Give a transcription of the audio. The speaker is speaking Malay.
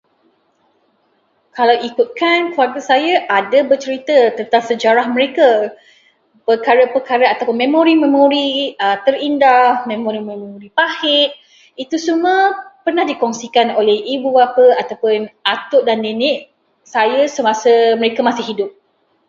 Kalau ikutkan, keluarga saya ada bercerita tentang sejarah mereka. Perkara-perkara atau memori-memori terindah, memori-memori pahit. Itu semua pernah dikongsikan oleh ibu bapa ataupun atuk dan nenek saya semasa mereka masih hidup.